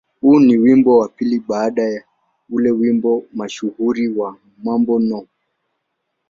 Huu ni wimbo wa pili baada ya ule wimbo mashuhuri wa "Mambo No.